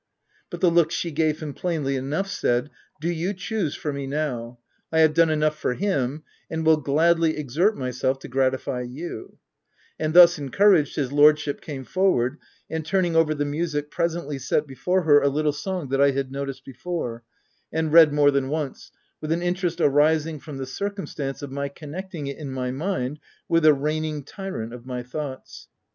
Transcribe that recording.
But the look she gave him, plainly said, u Do you choose for me now : I have done enough for him, and will gladly exert myself to gratify you ;" and thus en couraged, his lordship came forward, and turning over the music, presently set before her a little song" that I had noticed before, and read more than once, with an interest arising from the cir cumstance of my connecting it in my mind with the reigning tyrant of my thoughts.